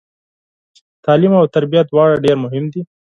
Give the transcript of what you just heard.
تعلیم او تربیه دواړه ډیر مهم دي